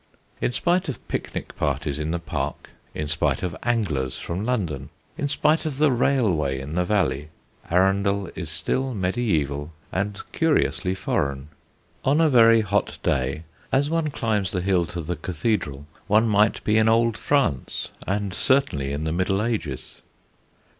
In spite of picnic parties in the park, in spite of anglers from London, in spite of the railway in the valley, Arundel is still medieval and curiously foreign. On a very hot day, as one climbs the hill to the cathedral, one might be in old France, and certainly in the Middle Ages.